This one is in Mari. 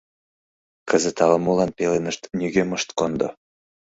Кызыт ала-молан пеленышт нигӧм ышт кондо.